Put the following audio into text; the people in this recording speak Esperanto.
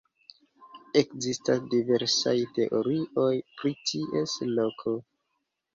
Ekzistas diversaj teorioj pri ties loko.